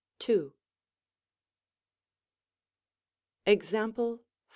Example 14.